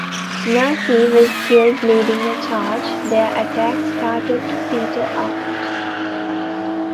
Murphy was killed leading a charge, their attacks started to peter out.